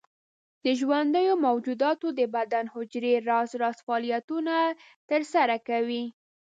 د ژوندیو موجوداتو د بدن حجرې راز راز فعالیتونه تر سره کوي.